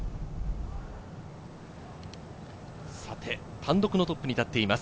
単独のトップに立っています